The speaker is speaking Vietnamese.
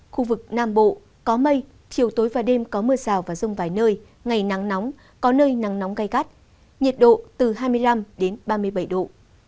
khu vực nam bộ có mây chiều tối và đêm có mưa rào và rông vài nơi ngày nắng nóng có nơi nắng nóng gai gắt nhiệt độ từ hai mươi năm ba mươi bảy độ